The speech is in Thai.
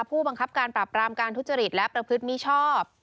ผู้บังคับการปรับรามการทุจริตและประพฤติมิชอบ